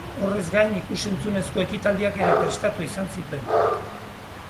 Horrez gain, ikus-entzunezko ekitaldiak ere prestatu izan zituen.